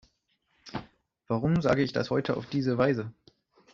Warum sage ich das heute auf diese Weise?